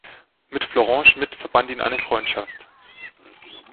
Mit Florent Schmitt verband ihn eine Freundschaft.